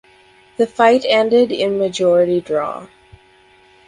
The fight ended in majority draw.